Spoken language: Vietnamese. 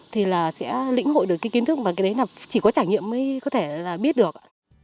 thì là sẽ lĩnh hội được cái kiến thức và cái đấy là chỉ có trải nghiệm mới có thể là biết được ạ